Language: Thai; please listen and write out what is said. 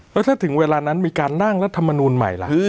แล้วถ้าถึงเวลานั้นมีการล่างรัฐมนูลใหม่ล่ะ